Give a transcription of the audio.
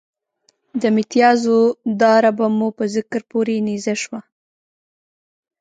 د متیازو داره به مو په ذکر پورې نیزه شوه.